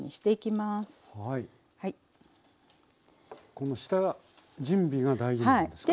この下準備が大事なんですか？